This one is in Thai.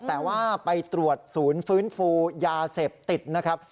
แต่ว่าไปตรวจศูนย์ฟื้นฟูยาเสพติดนะครับ